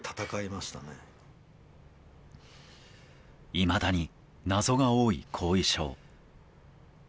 いまだに謎が多い後遺症。